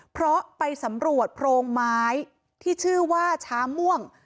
เพราะไปสำรวจโพรงไม้ที่ชื่อว่าช้าม่วง